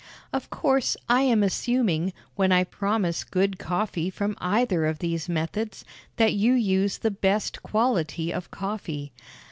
Of course I am assuming, when I promise good coffee from either of these methods, that you use the best quality of coffee.